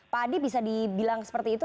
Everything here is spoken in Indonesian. pak adi bisa dibilang seperti itu